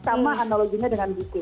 sama analoginya dengan buku